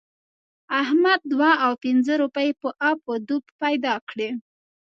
احمد دوه او پينځه روپۍ په اپ و دوپ پیدا کړې.